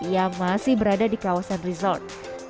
yang masih berada di kawasan resort